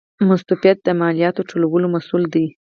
مستوفیت د مالیاتو ټولولو مسوول دی